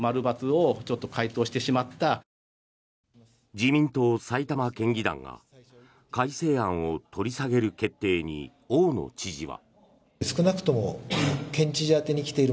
自民党埼玉県議団が改正案を取り下げる決定に大野知事は。